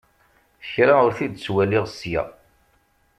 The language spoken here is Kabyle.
Kra ur t-id-ttwaliɣ ssya.